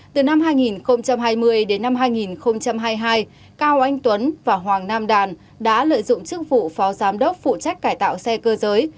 từ năm hai nghìn hai mươi đến năm hai nghìn hai mươi hai cao anh tuấn và hoàng nam đàn đã lợi dụng chức vụ phó giám đốc phụ trách cải tạo xe cơ giới